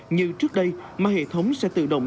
như trước đây mà hệ thống sẽ tự động